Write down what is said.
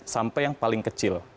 sampai yang paling kecil